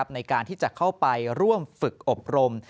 ในการที่จะเข้าไปร่วมฝึกอบรม